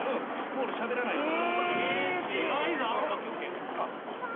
もう俺しゃべらないよ。